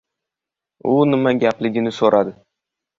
U nima gapligini soʻradi.